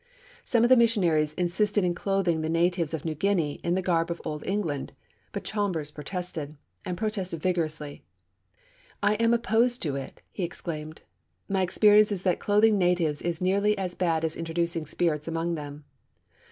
Some of the missionaries insisted in clothing the natives of New Guinea in the garb of Old England, but Chalmers protested, and protested vigorously. 'I am opposed to it,' he exclaimed. 'My experience is that clothing natives is nearly as bad as introducing spirits among them.